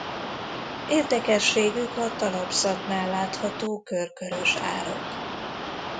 Érdekességük a talapzatnál látható körkörös árok.